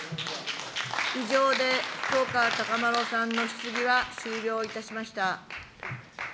以上で福岡資麿さんの質疑は終了いたしました。